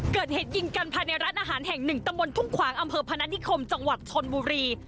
เกิดเหตุยิงกันภายในร้านอาหารแห่งหนึ่งตำบลทุ่งขวางอำเภอพนัฐนิคมจังหวัดชนบุรี